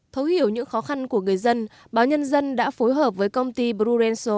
thấu hiểu những khó khăn của người dân báo nhân dân đã phối hợp với công ty brurenso